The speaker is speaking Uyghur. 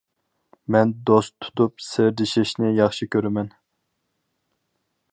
مەن دوست تۇتۇپ، سىردىشىشنى ياخشى كۆرىمەن.